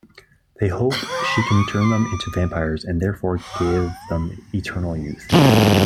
They hope she can turn them into vampires and therefore give them eternal youth.